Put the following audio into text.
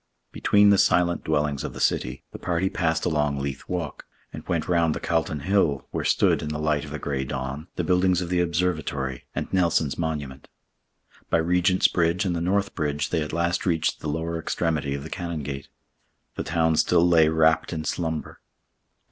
Between the silent dwellings of the city, the party passed along Leith Walk, and went round the Calton Hill, where stood, in the light of the gray dawn, the buildings of the Observatory and Nelson's Monument. By Regent's Bridge and the North Bridge they at last reached the lower extremity of the Canongate. The town still lay wrapt in slumber.